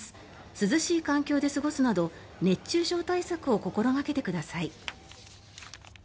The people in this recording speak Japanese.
涼しい環境で過ごすなど熱中症対策を心掛けてください。